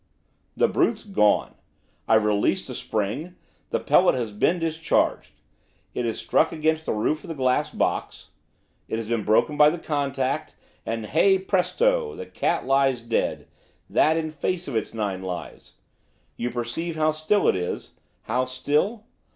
'The brute's gone! I've released the spring the pellet has been discharged it has struck against the roof of the glass box it has been broken by the contact, and, hey presto! the cat lies dead, and that in face of its nine lives. You perceive how still it is, how still!